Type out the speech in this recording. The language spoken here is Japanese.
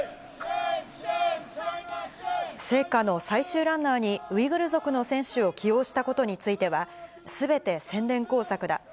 聖火の最終ランナーにウイグル族の選手を起用したことについては、すべて宣伝工作だ。